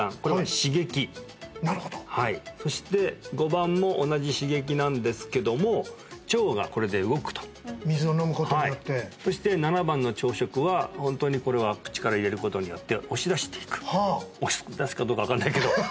刺激なるほどそして５番も同じ刺激なんですけども腸がこれで動くと水を飲むことによってそして７番の朝食はホントにこれは口から入れることによって押し出していくあらえっ